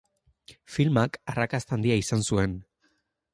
Filmak arrakasta handia izan zuen.